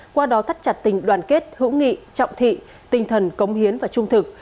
qua đó thắt chặt tình đoàn kết hữu nghị trọng thị tinh thần cống hiến và trung thực